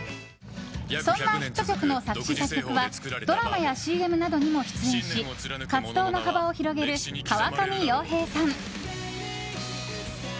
そんなヒット曲の作詞・作曲はドラマやＣＭなどにも出演し活動の幅を広げる川上洋平さん。